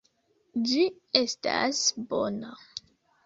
Ĝi estas bona.